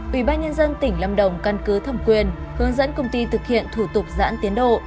ubnd tỉnh lâm đồng căn cứ thẩm quyền hướng dẫn công ty thực hiện thủ tục giãn tiến độ